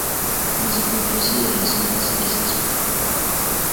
La superficie de las hojas es áspera.